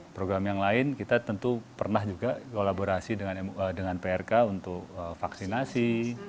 program yang lain kita tentu pernah juga kolaborasi dengan prk untuk vaksinasi